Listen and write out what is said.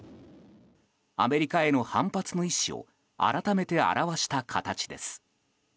アメリカへの反発の意思を改めて表した形です。